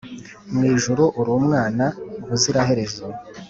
mwijuru uri umwana ubuziraherezo